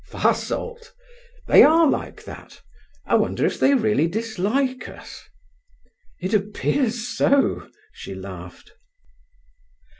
"Fasolt? They are like that. I wonder if they really dislike us." "It appears so," she laughed.